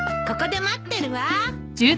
ここで待ってるわ。